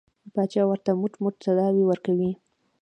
پاچا ورته موټ موټ طلاوې ورکوي.